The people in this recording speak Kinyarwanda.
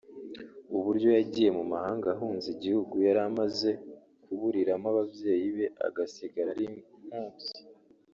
uburyo yagiye mu mahanga ahunze igihugu yari amaze kuburiramo ababyeyi be agasigara ari impubyi